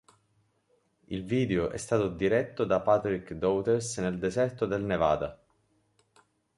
Il video è stato diretto da Patrick Daughters nel deserto del Nevada.